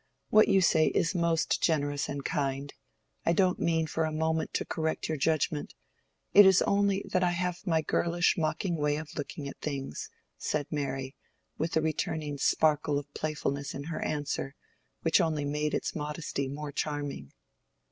What you say is most generous and kind; I don't mean for a moment to correct your judgment. It is only that I have my girlish, mocking way of looking at things," said Mary, with a returning sparkle of playfulness in her answer which only made its modesty more charming.